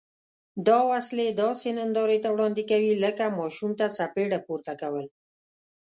دا وسلې داسې نندارې ته وړاندې کوي لکه ماشوم ته څپېړه پورته کول.